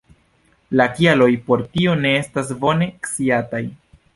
La kialoj por tio ne estas bone sciataj.